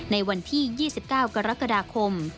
ในวันที่๒๙กรกฎาคม